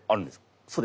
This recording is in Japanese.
そうですね